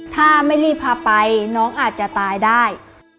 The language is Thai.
ถ้าไม่รีบพาไปน้องอาจจะตายได้